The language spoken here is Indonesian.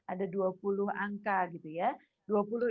ada dua puluh angka gitu ya